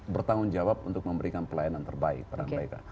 bertanggung jawab untuk memberikan pelayanan terbaik pada mereka